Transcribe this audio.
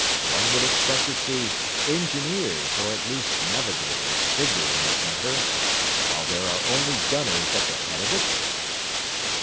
One would expect to see engineers or at least navigators figure in this matter, while there are only gunners at the head of it?"